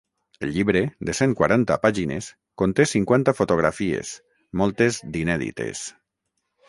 El llibre, de cent quaranta pàgines, conté cinquanta fotografies, moltes d’inèdites.